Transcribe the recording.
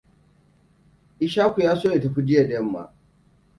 Ishaku ya so ya tafi jiya da yamma.